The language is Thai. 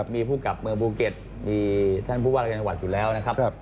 มีผู้กลับเมืองภูเก็ตมีท่านผู้ว่ารายการจังหวัดอยู่แล้วนะครับ